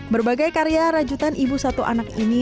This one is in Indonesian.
berbagai karya rajutan ibu satu anak ini